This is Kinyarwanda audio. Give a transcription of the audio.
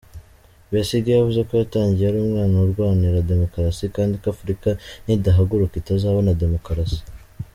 Besigye yavuze ko yatangiye ari umwana arwanira demokarasi, kandi ko Afurika nidahaguruka itazabona demokarasi.